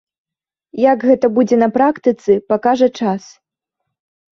Як гэта будзе на практыцы, пакажа час.